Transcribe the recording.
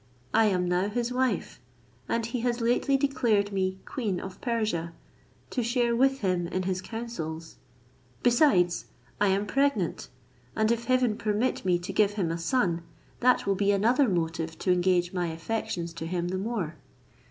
I am now his wife, and he has lately declared me queen of Persia, to share with him in his councils; besides, I am pregnant, and if heaven permit me to give him a son, that will be another motive to engage my affections to him the more."